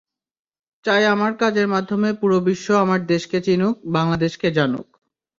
চাই আমার কাজের মাধ্যমে পুরো বিশ্ব আমার দেশকে চিনুক, বাংলাদেশকে জানুক।